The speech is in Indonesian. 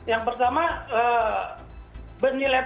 yang pertama bernilai tersebut